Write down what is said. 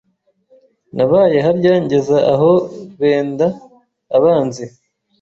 Nabaye harya ngeza aho benda abanzi